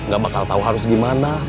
gak bakal tahu harus gimana